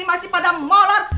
masih pada molot